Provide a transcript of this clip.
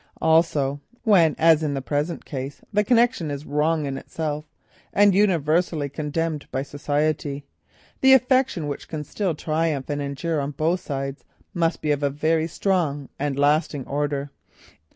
Also, when as in the present case the connection is wrong in itself and universally condemned by society, the affection which can still triumph and endure on both sides must be of a very strong and lasting order.